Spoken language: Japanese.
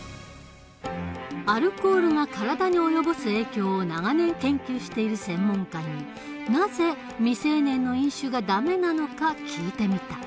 アルコールが体に及ぼす影響を長年研究している専門家になぜ未成年の飲酒がダメなのか聞いてみた。